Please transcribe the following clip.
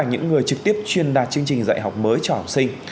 những người trực tiếp chuyên đạt chương trình dạy học mới cho học sinh